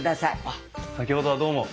あっ先ほどはどうも。